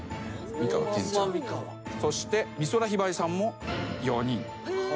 そして美空ひばりさんも。